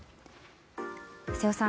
瀬尾さん